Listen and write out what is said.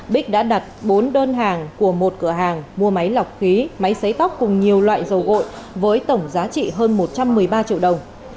bích đã đặt bốn đơn hàng của một cửa hàng mua máy lọc khí máy xấy tóc cùng nhiều loại dầu gội với tổng giá trị hơn một trăm một mươi ba triệu đồng